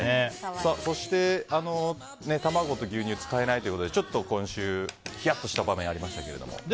そして、卵と牛乳を使えないということでちょっと今週、ひやっとした場面がありましたけども。